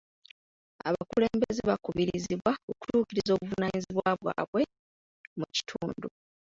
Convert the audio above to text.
Abakulembeze bakubirizibwa okutuukiriza obuvunaanyizibwa bwabwe mu kitundu.